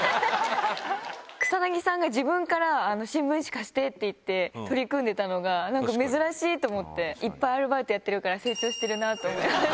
草薙さんが自分から新聞紙貸してって言って、取り組んでたのが、なんか珍しいと思って、いっぱいアルバイトやってるから、成長してるなと思って。